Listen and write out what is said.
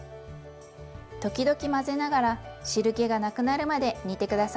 時々混ぜながら汁けがなくなるまで煮て下さいね。